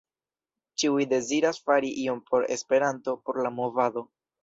Ĉiuj deziras fari ion por Esperanto, por la movado.